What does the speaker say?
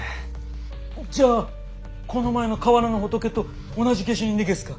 じゃあこの前の河原の仏と同じ下手人でげすか？